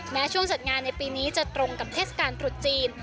แม้ช่วงจัดงานในปีนี้จะตรงกับเทศกาลตรุษจีน